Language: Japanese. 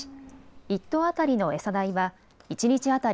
１頭当たりの餌代は一日当たり